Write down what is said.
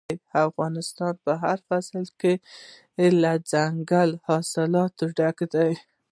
افغانستان په هر فصل کې له دځنګل حاصلاتو ډک دی.